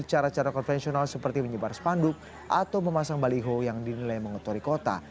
cara cara konvensional seperti menyebar spanduk atau memasang baliho yang dinilai mengotori kota